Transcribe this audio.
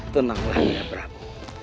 tenanglah nanda prabu